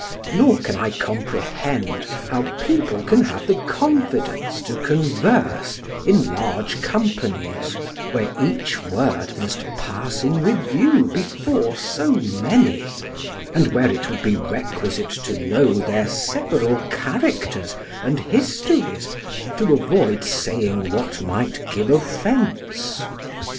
Nor can I comprehend how people can have the confidence to converse in large companies, where each word must pass in review before so many, and where it would be requisite to know their several characters and histories to avoid saying what might give offence.